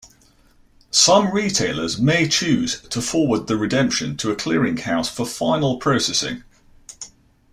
Some retailers may choose to forward the redemption to a clearinghouse for final processing.